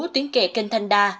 tiến kè kênh thanh đa